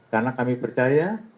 karena kami percaya